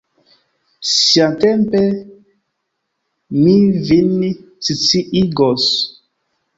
Siatempe mi vin sciigos.